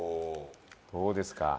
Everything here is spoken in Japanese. どうですか？